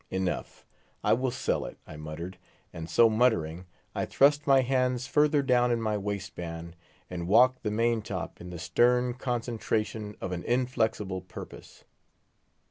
Enough! I will sell it, I muttered; and so muttering, I thrust my hands further down in my waistband, and walked the main top in the stern concentration of an inflexible purpose.